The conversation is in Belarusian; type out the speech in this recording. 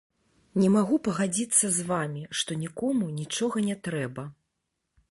Не магу пагадзіцца з вамі, што нікому нічога не трэба.